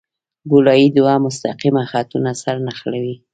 ګولایي دوه مستقیم خطونه سره نښلوي